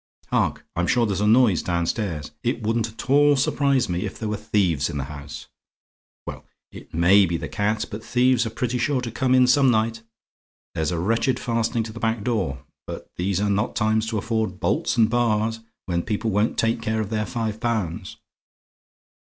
"Hark! I'm sure there's a noise downstairs. It wouldn't at all surprise me if there were thieves in the house. Well, it MAY be the cat; but thieves are pretty sure to come in some night. There's a wretched fastening to the back door; but these are not times to afford bolts and bars, when people won't take care of their five pounds.